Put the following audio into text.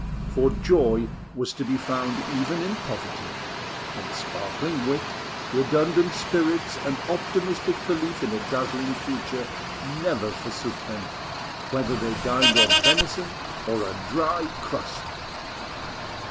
For joy was to be found even in poverty; and sparkling wit, redundant spirits, and optimistic belief in a dazzling future never forsook them, whether they dined off venison or a dry crust!